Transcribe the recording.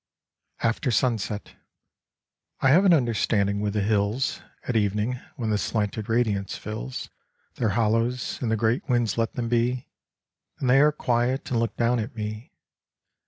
After Sunset I have an understanding with the hills At evening when the slanted radiance fills Their hollows, and the great winds let them be, And they are quiet and look down at me.